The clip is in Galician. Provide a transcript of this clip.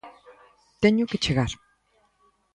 teño que chegar...